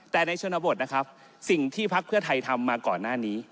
แต่ในชนบทนะครับสิ่งที่พักเพื่อไทยทำมาก่อนหน้านี้